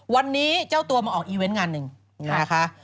วันนี้เจ้าตัวมาออกอีเวนต์งานหนึ่งนะคะ